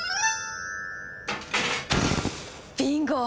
ビンゴ！